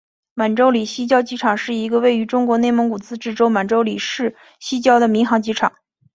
满洲里西郊机场是一个位于中国内蒙古自治区满洲里市西郊的民航机场。